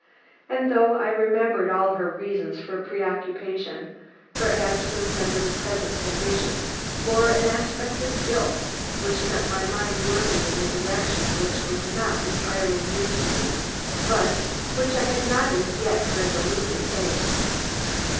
and though I remembered all her reasons for preoccupation, her absence under the present conditions bore an aspect of guilt which sent my mind working in a direction which was not entirely new to me, but which I had not as yet resolutely faced.